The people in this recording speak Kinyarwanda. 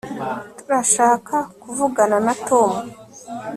turashaka kuvugana na tom